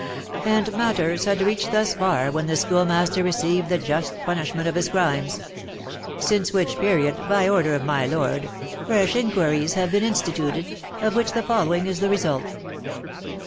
And matters had reached thus far when the Schoolmaster received the just punishment of his crimes; since which period, by order of my lord, fresh inquiries have been instituted, of which the following is the result.